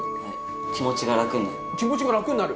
気持ちが楽になる。